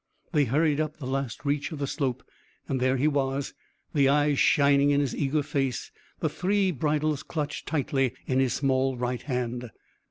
They hurried up the last reach of the slope, and there he was, the eyes shining in his eager face, the three bridles clutched tightly in his small right hand.